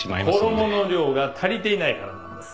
衣の量が足りていないからなんです。